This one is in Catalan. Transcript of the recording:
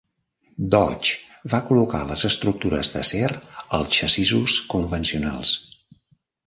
Dodge va col·locar les estructures d'acer als xassissos convencionals.